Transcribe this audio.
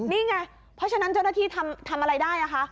นี่ไงเพราะฉะนั้นเจ้าหน้าที่ทำอะไรได้คะ